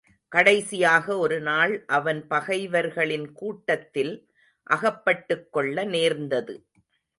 கடைசியாக ஒருநாள் அவன் பகைவர்களின் கூட்டத்தில் அகப்பட்டுக் கொள்ள நேர்ந்தது.